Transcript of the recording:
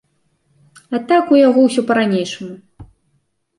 А так у яго ўсё па-ранейшаму.